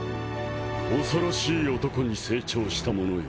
恐ろしい男に成長したものよ